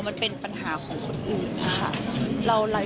มันเป็นปัญหาของคนอื่นนะคะ